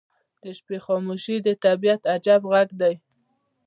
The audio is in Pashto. • د شپې خاموشي د طبیعت عجیب غږ لري.